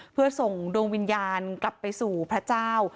เพื่อส่งดวงวิญญาณกลับไปสู่พระเจ้า